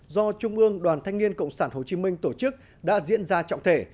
do trung ương đoàn thanh niên cộng sản hồ chí minh tổ chức đã diễn ra trọng thể